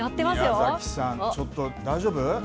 宮崎さん、ちょっと、大丈夫？